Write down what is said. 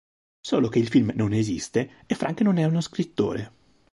Solo che il film non esiste e Frank non è uno scrittore.